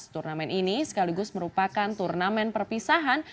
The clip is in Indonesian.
turnamen ini sekaligus merupakan turnamen perpisahan